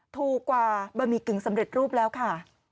ถูกกว่าบะหมี่กึ่งสำเร็จรูปแล้วค่ะ